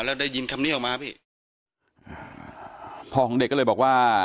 แล้วได้ยินคำนี้ออกมาพี่พ่อของเด็กก็เลยบอกว่า